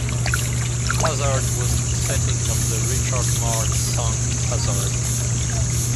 Hazard was the setting of the Richard Marx song "Hazard".